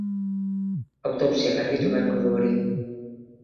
Autopsiak argitu beharko du hori.